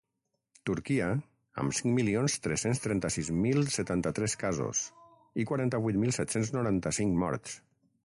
Turquia, amb cinc milions tres-cents trenta-sis mil setanta-tres casos i quaranta-vuit mil set-cents noranta-cinc morts.